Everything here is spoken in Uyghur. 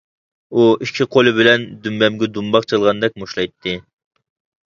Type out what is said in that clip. ئۇ ئىككى قولى بىلەن دۈمبەمگە دۇمباق چالغاندەك مۇشتلايتتى.